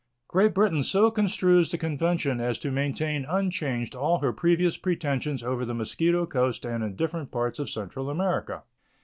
Great Britain so construes the convention as to maintain unchanged all her previous pretensions over the Mosquito Coast and in different parts of Central America.